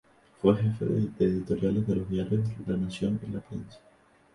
Fue Jefe de Editoriales de los Diarios La Nación y La Prensa.